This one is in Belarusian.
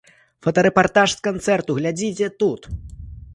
Фотарэпартаж з канцэрту глядзіце тут!